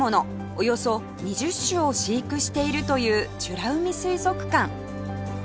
およそ２０種を飼育しているという美ら海水族館